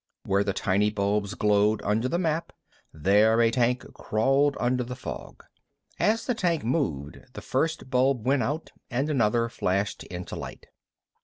Where the tiny bulbs glowed under the map, there a tank crawled under the fog. As the tank moved, the first bulb went out and another flashed into light.